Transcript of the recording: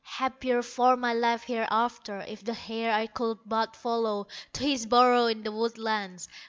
Happier far my life hereafter, If the hare I could but follow To his burrow in the woodlands!